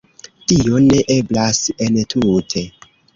Tio ne eblas entute.